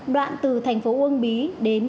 đoạn từ thành phố uông bí đến